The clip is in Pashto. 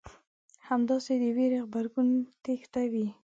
همداسې د وېرې غبرګون تېښته وي.